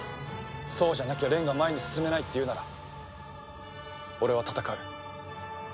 そうじゃなきゃ蓮が前に進めないって言うなら俺は戦う。